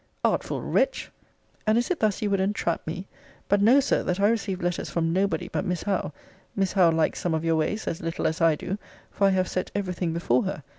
Artful wretch! and is it thus you would entrap me? But know, Sir, that I received letters from nobody but Miss Howe. Miss Howe likes some of your ways as little as I do; for I have set every thing before her.